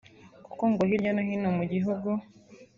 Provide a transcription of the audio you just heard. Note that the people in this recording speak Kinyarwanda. kuko ngo hirya no hino mu gihugu